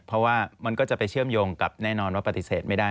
เพราะว่ามันก็จะไปเชื่อมโยงกับแน่นอนว่าปฏิเสธไม่ได้